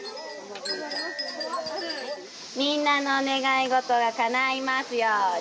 みんなの願い事がかないますように。